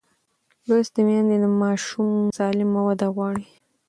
لوستې میندې د ماشوم سالمه وده غواړي.